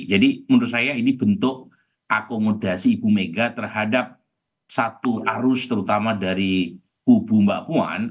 jadi menurut saya ini bentuk akomodasi ibu mega terhadap satu arus terutama dari kubu mbak puan